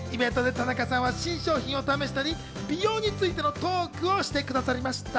イベントで田中さんは新商品を試したり、美容についてのトークをしてくださいました。